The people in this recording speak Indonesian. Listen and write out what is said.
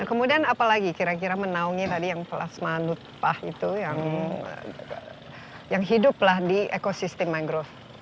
nah kemudian apalagi kira kira menaungi tadi yang plasma nutpah itu yang hidup lah di ekosistem mangrove